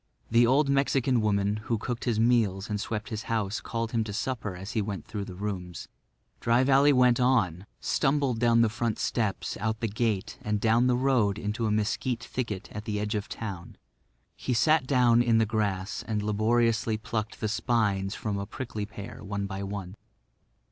The old Mexican woman who cooked his meals and swept his house called him to supper as he went through the rooms. Dry Valley went on, stumbled down the front steps, out the gate and down the road into a mesquite thicket at the edge of town. He sat down in the grass and laboriously plucked the spines from a prickly pear, one by one.